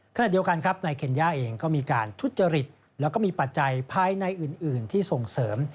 ขณะเดียวกันครับนายเคนย่าเองก็มีการทุจริตแล้วก็มีปัจจัยภายในอื่นที่ส่งเสริม